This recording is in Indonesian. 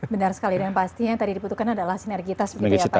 benar sekali dan pastinya yang tadi dibutuhkan adalah sinergitas